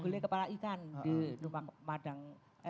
gelikan kepala ikan di rumah madang